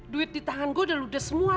duit di tangan saya sudah ludes semua